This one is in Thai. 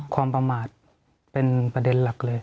ความประมาทเป็นประเด็นหลักเลย